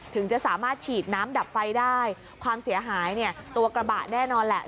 ถึงจะสามารถฉีดน้ำดับไฟได้ความเสียหายเนี่ยตัวกระบะแน่นอนแหละ